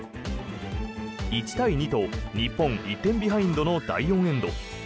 １対２と日本１点ビハインドの第４エンド。